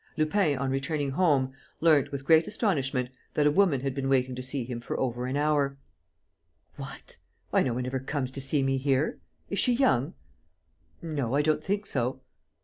Lupin, on returning home, learnt, with great astonishment, that a woman had been waiting to see him for over an hour: "What! Why, no one ever comes to see me here! Is she young?" "No.... I don't think so."